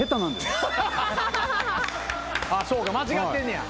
そうか間違ってんねや。